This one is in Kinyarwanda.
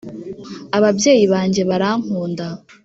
ababyeyi banjye barankunda.